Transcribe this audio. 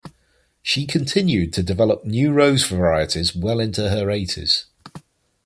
She continued to develop new rose varieties well into her eighties.